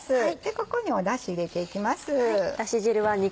ここにだし入れていきます。